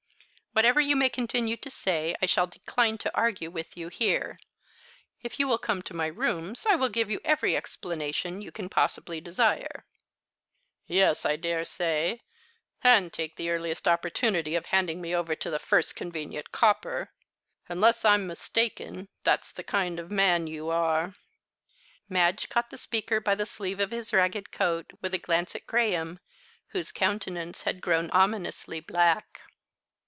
Whatever you may continue to say I shall decline to argue with you here. If you will come to my rooms I will give you every explanation you can possibly desire." "Yes, I daresay, and take the earliest opportunity of handing me over to the first convenient copper. Unless I'm mistaken, that's the kind of man you are." Madge caught the speaker by the sleeve of his ragged coat, with a glance at Graham, whose countenance had grown ominously black.